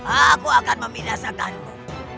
aku akan membinasakanku